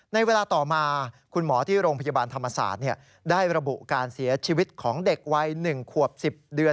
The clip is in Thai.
ในเวลาต่อมาคุณหมอที่โรงพยาบาลธรรมศาสตร์ได้ระบุการเสียชีวิตของเด็กวัย๑ขวบ๑๐เดือน